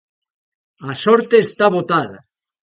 A sorte está botada.